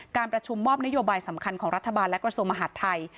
การประชุมมอบนโยบายสำคัญของรัฐบาลและกระทรวงมหาดไทย